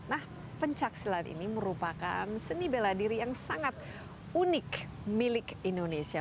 nah pencaksilat ini merupakan seni bela diri yang sangat unik milik indonesia